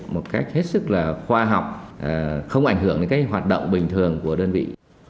một cách hết sức khoa học không ảnh hưởng đến hoạt động bình thường của đơn vị